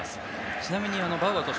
ちなみにバウアー投手